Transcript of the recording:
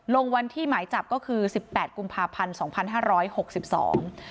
ลงวันที่หมายจับก็คือสิบแปดกุมภาพันธ์สองพันห้าร้อยหกสิบสอง